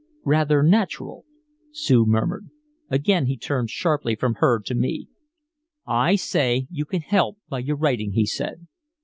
"Rather natural," Sue murmured. Again he turned sharply from her to me. "I say you can help by your writing," he said.